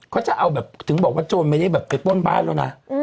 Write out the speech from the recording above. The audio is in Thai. เขาจะเอาแบบถึงบอกว่าโจรไม่ได้แบบไปป้นบ้านแล้วนะ